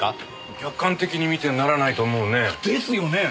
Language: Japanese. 客観的に見てならないと思うね。ですよね？